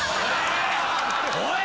おい！